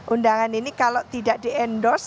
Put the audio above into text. undangan ini kalau tidak di endorse